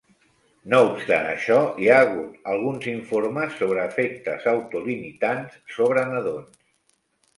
No obstant això, hi ha hagut alguns informes sobre efectes autolimitants sobre nadons.